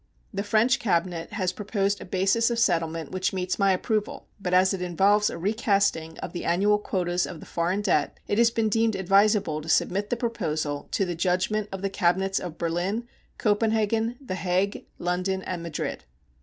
The French cabinet has proposed a basis of settlement which meets my approval, but as it involves a recasting of the annual quotas of the foreign debt it has been deemed advisable to submit the proposal to the judgment of the cabinets of Berlin, Copenhagen, The Hague, London, and Madrid.